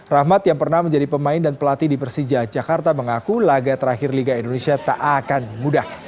rahmat yang pernah menjadi pemain dan pelatih di persija jakarta mengaku laga terakhir liga indonesia tak akan mudah